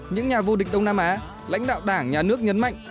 những nhà vô địch đông nam á lãnh đạo đảng nhà nước nhấn mạnh